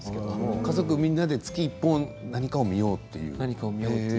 家族みんなで月に１本何かを見ようと。